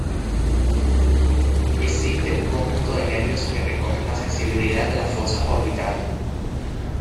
Existe un conjunto de nervios que recogen la sensibilidad de la fosa orbitaria.